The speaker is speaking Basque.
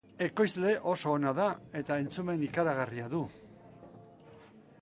Ekoizle oso ona da, eta entzumen ikaragarria du.